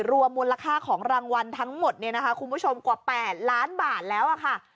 รวมมูลค่าของรางวัลทั้งหมดเนี่ยนะคะคุณผู้ชมกว่า๘ล้านบาทแล้วค่ะ